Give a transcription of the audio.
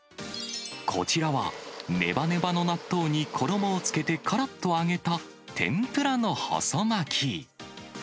こちらはねばねばの納豆に衣をつけてからっと揚げた天ぷらの細巻き。